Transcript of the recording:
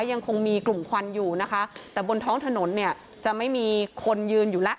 ยังคงมีกลุ่มควันอยู่นะคะแต่บนท้องถนนเนี่ยจะไม่มีคนยืนอยู่แล้ว